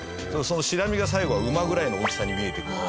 そのシラミが最後は馬ぐらいの大きさに見えてくる。